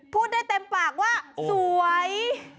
พูดได้เต็มปากว่าสวย